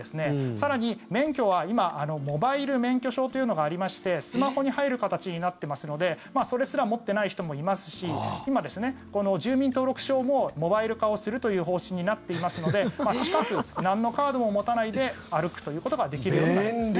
更に免許は今、モバイル免許証というのがありましてスマホに入る形になってますのでそれすら持ってない人もいますし今、住民登録証もモバイル化をするという方針になっていますので近く、なんのカードも持たないで歩くということができるようになりますね。